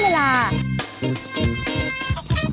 ข้าวใส่ไทยสอบกว่าใครใหม่กว่าเดิมค่อยเมื่อล่า